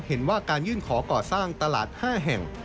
เห็นว่าการยื่นขอก่อสร้างตลาด๕แห่ง